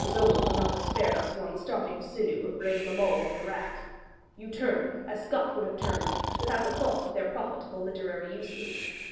Zola would not have spared us one starting sinew of brave La Mole on the rack) you turned, as Scott would have turned, without a thought of their profitable literary uses.